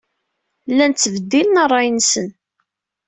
Llan ttbeddilen ṛṛay-nsen.